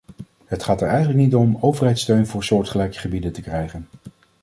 Het gaat er eigenlijk niet om overheidssteun voor soortgelijke gebieden te krijgen.